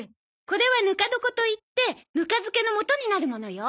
これはぬか床といってぬか漬けのもとになるものよ。